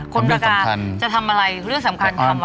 ความหวาดกาจะทำอะไรเรื่องสำคัญทำวันยังไง